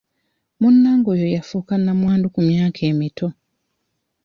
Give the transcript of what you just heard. Munnange oyo yafuuka namwandu ku myaka emito.